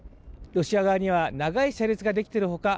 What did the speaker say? ロシア側には長い車列ができているほか